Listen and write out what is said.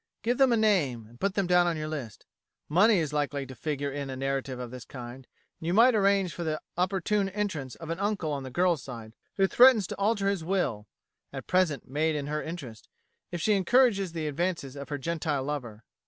Give them a name, and put them down on your list. Money is likely to figure in a narrative of this kind, and you might arrange for the opportune entrance of an uncle on the girl's side, who threatens to alter his will (at present made in her interest) if she encourages the advances of her Gentile lover.